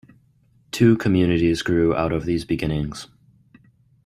Two communities grew out of these beginnings.